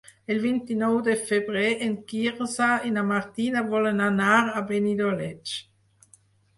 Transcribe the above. El vint-i-nou de febrer en Quirze i na Martina volen anar a Benidoleig.